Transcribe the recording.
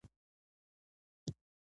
چي غلیم یې هم د سر هم د ټبر وي